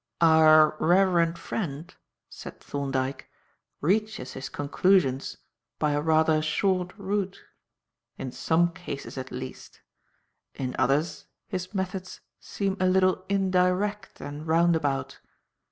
"Our reverend friend," said Thorndyke, "reaches his conclusions by a rather short route in some cases, at least; in others, his methods seem a little indirect and roundabout."